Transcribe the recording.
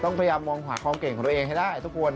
พยายามมองหาความเก่งของตัวเองให้ได้ทุกคน